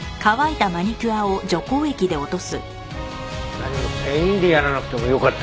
何も全員でやらなくてもよかったんじゃない？